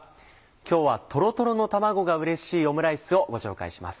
今日はとろとろの卵がうれしいオムライスをご紹介します。